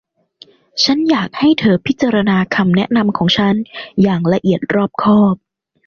ฉันอยากให้เธอพิจารณาคำแนะนำของฉันอย่างละเอียดรอบคอบ